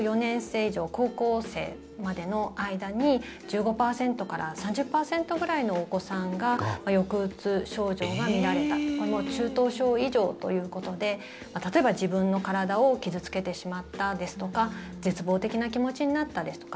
以上高校生までの間に１５％から３０％くらいのお子さんが抑うつ症状が見られた中等症以上ということで例えば、自分の体を傷付けてしまったですとか絶望的な気持ちになったですとか